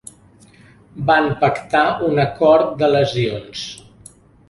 Van pactar un acord de lesions.